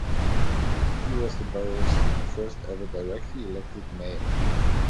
He was the Borough's first ever directly elected mayor.